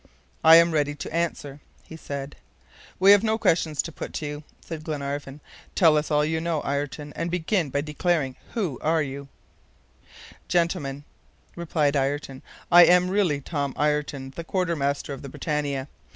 "I am ready to answer," he said. "We have no questions to put to you," said Glenarvan. "Tell us all you know, Ayrton, and begin by declaring who you are." "Gentlemen," replied Ayrton, "I am really Tom Ayrton, the quartermaster of the BRITANNIA.